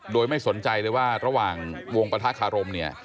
โดยไม่สนใจเลยว่าระหว่างวงปฏฒาคารม